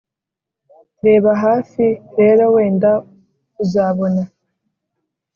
reba hafi rero wenda uzabona